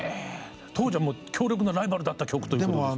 当時は強力なライバルだった曲ということですね。